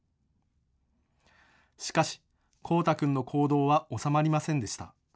しかしコウタ君の行動は収まりませんでした。